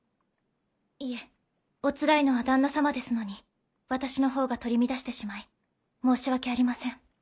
いえおつらいのは旦那様ですのに私のほうが取り乱してしまい申し訳ありません。